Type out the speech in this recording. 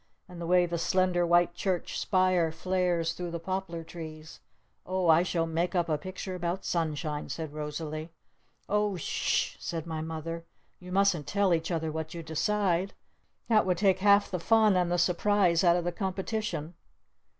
And the way the slender white church spire flares through the Poplar Trees! Oh I shall make up a picture about sunshine!" said Rosalee. "Oh, Sh h!" said my Mother. "You mustn't tell each other what you decide. That would take half the fun and the surprise out of the competition!"